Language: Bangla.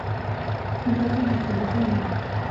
চিন্তা কোনো বাস্তব বিষয় নয়।